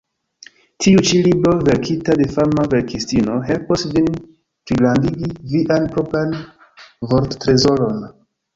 Tiu ĉi libro, verkita de fama verkistino, helpos vin pligrandigi vian propran vorttrezoron.